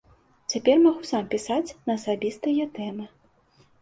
Цяпер магу сам пісаць на асабістыя тэмы.